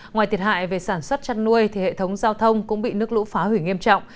ngoài thiệt hại về sản xuất chăn nuôi thì hệ thống giao thông cũng bị nước lũ phá hủy nghiêm trọng